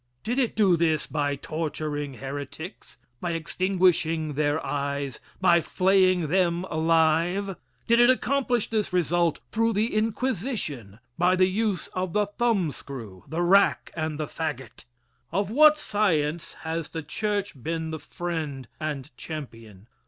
Did it do this by torturing heretics by extinguishing their eyes by flaying them alive? Did it accomplish this result through the Inquisition by the use of the thumb screw, the rack and the fagot? Of what science has the church been the friend and champion?